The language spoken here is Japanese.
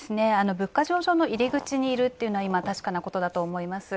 物価上昇の入り口にいるっていうのは今、確かなことだと思います。